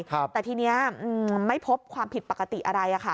แต่ทีนี้ไม่พบความผิดปกติอะไร